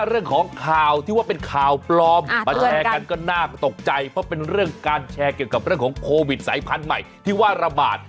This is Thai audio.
เรื่องของข่าวที่ว่าเป็นข่าวปลอมมาแชร์กันก็น่าตกใจเพราะเป็นเรื่องการแชร์เกี่ยวกับเรื่องของโควิดสายพันธุ์ใหม่ที่ว่าระบาด